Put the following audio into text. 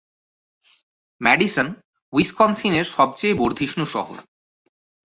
Madison উইসকনসিনের সবচেয়ে বর্ধিষ্ণু শহর।